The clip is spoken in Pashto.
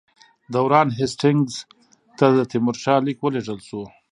د وارن هېسټینګز ته د تیمورشاه لیک ولېږل شو.